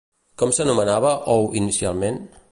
Com s'anomenava Hou inicialment?